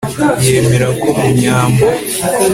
Yemera ko mu nyambo